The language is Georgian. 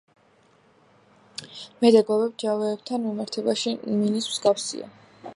მედეგობით მჟავეებთან მიმართებაში მინის მსგავსია.